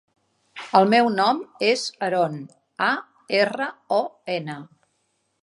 El meu nom és Aron: a, erra, o, ena.